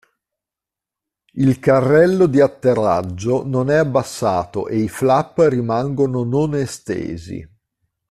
Il carrello di atterraggio non è abbassato e i flap rimangono non estesi.